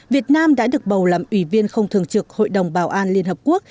việt nam đã được bầu làm ủy viên không thường trực hội đồng bảo an liên hợp quốc